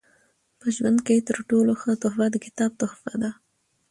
په ژوند کښي تر ټولو ښه تحفه د کتاب تحفه ده.